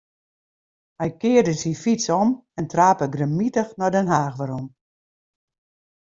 Hy kearde syn fyts om en trape grimmitich nei Den Haach werom.